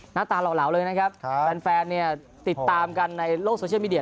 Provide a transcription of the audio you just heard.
หน้าตาเหล่าเลยนะครับแฟนเนี่ยติดตามกันในโลกโซเชียลมีเดีย